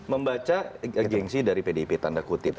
membaca gengsi dari pdip tanda kutip